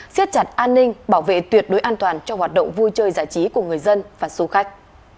siết chặt an ninh bảo vệ tuyệt đối an toàn cho hoạt động vui chơi giải trí của người dân và du khách